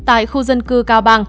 tại khu dân cư cao ba